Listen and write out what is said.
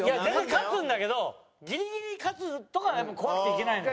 勝つんだけどギリギリ勝つとかはやっぱ怖くていけないのよ。